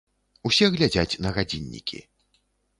Усе глядзяць на гадзіннікі.